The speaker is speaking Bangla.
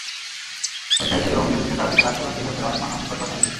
ওয়েসাইটে এবং ফেসবুকে তারা দেশের রাষ্ট্রপ্রধানকে হেয় করে অনেক মানহানিকর কথা লিখেছে।